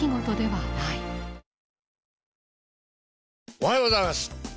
おはようございます。